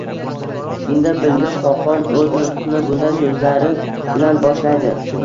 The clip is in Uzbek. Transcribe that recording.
Shunda Bilga xoqon o’z nutqini bunday so’zlar bilan boshlaydi